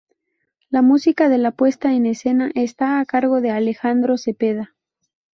La música de la puesta en escena está a cargo de Alejandro Zepeda.